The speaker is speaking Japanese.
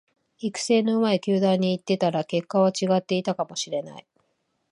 育成の上手い球団に行ってたら結果は違っていたかもしれない